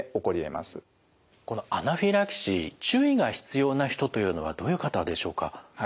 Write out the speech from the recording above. このアナフィラキシー注意が必要な人というのはどういう方でしょうか？